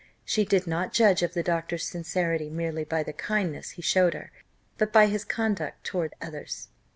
She did not judge of the doctor's sincerity merely by the kindness he showed her, but by his conduct towards others.